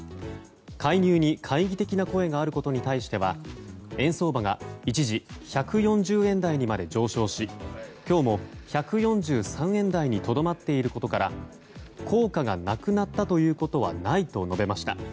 介入に懐疑的な声があることに対しては円相場が一時１４０円台にまで上昇し今日も１４３円台にとどまっていることから効果がなくなったということはないと述べました。